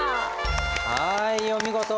はいお見事！